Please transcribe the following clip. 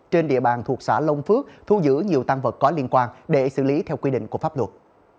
trên địa bàn thuộc xã long phước thu giữ nhiều tăng vật có liên quan để xử lý theo quy định của pháp luật